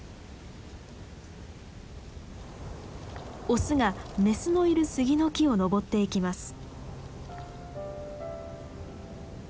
オスがメスのいるスギの木を登っていきます。